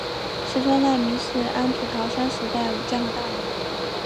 石川赖明是安土桃山时代武将和大名。